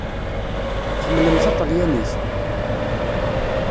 Tḥemmlem taṭelyanit?